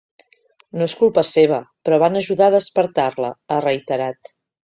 No és culpa seva, però van ajudar a despertar-la, ha reiterat.